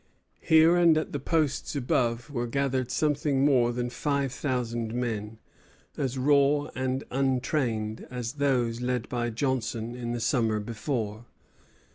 Here and at the posts above were gathered something more than five thousand men, as raw and untrained as those led by Johnson in the summer before.